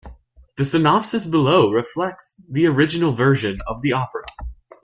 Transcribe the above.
The synopsis below reflects the original version of the opera.